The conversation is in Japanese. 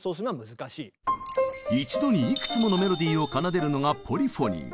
一度にいくつものメロディーを奏でるのが「ポリフォニー」。